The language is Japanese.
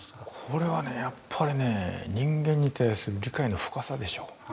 これはやっぱりね人間に対する理解の深さでしょう。